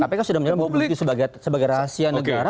kpk sudah menyerahkan bukti sebagai rahasia negara